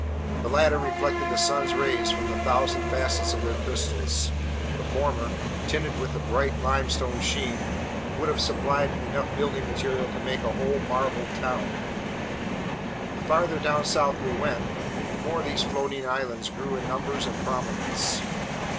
The latter reflected the sun's rays from the thousand facets of their crystals. The former, tinted with a bright limestone sheen, would have supplied enough building material to make a whole marble town. The farther down south we went, the more these floating islands grew in numbers and prominence.